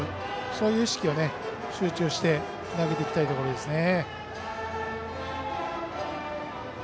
そういう意識で集中して投げていきたいところですね。